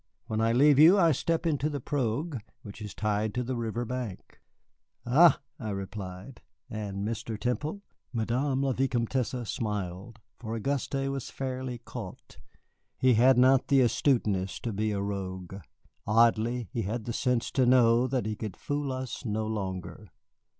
When I leave you I step into a pirogue which is tied to the river bank." "Ah," I replied. "And Mr. Temple?" Madame la Vicomtesse smiled, for Auguste was fairly caught. He had not the astuteness to be a rogue; oddly, he had the sense to know that he could fool us no longer.